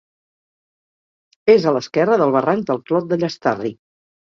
És a l'esquerra del barranc del Clot de Llastarri.